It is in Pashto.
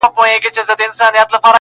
" زلمۍ سندري " وې